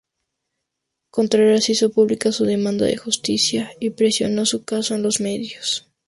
Contreras hizo pública su demanda de justicia y presionó su caso en los medios.